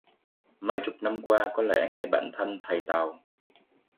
Mấy chục năm qua có lẽ ngay bản thân thầy tàu